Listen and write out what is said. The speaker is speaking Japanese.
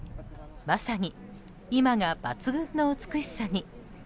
まさに今が抜群の美しさに。